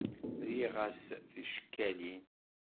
Rriɣ-as ticekkalin.